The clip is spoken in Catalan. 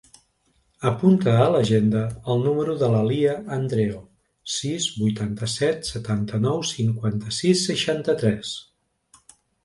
Apunta a l'agenda el número de la Lya Andreo: sis, vuitanta-set, setanta-nou, cinquanta-sis, seixanta-tres.